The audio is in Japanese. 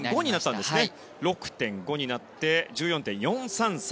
６．５になって１４．４３３。